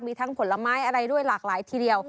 มีทั้งผลไม้อะไรด้วยหลากหลายทีเดียว